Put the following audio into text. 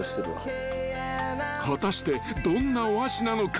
［果たしてどんなお味なのか］